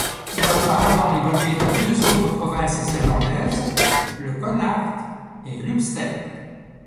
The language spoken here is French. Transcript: Il a auparavant évolué dans deux autres provinces irlandaises, le Connacht et l'Ulster.